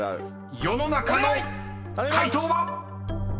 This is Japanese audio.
［世の中の回答は⁉］